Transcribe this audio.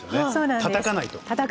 たたかないと。